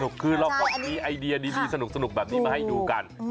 คือเราก็มีไอเดียดีสนุกแบบนี้มาให้ดูกัน